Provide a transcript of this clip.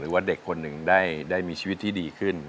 ว่าเด็กคนหนึ่งได้มีชีวิตที่ดีขึ้น